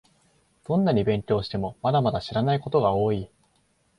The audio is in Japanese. どんなに勉強しても、まだまだ知らないことが多い